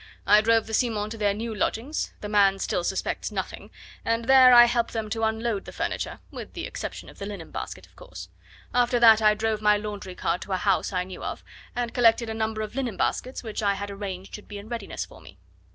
I drove the Simons to their new lodgings the man still suspects nothing and there I helped them to unload the furniture with the exception of the linen basket, of course. After that I drove my laundry cart to a house I knew of and collected a number of linen baskets, which I had arranged should be in readiness for me.